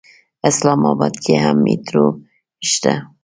اسلام اباد کې هم مېټرو شته.